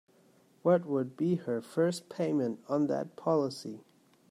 What would be her first payment on that policy?